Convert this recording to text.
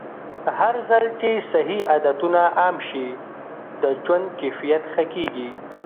هرځل چې صحي عادتونه عام شي، د ژوند کیفیت ښه کېږي.